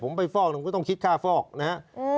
ผมไปฟอกหนึ่งก็ต้องคิดค่าฟอกนะฮะ